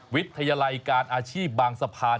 วิทยาลัยการอาชีพบางสะพาน